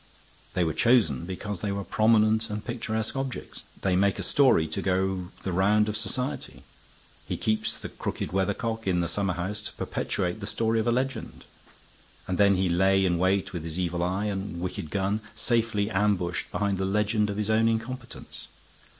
They were chosen because they were prominent and picturesque objects. They make a story to go the round of society. He keeps the crooked weathercock in the summerhouse to perpetuate the story of a legend. And then he lay in wait with his evil eye and wicked gun, safely ambushed behind the legend of his own incompetence.